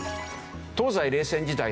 東西冷戦時代